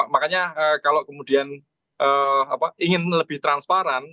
makanya kalau kemudian ingin lebih transparan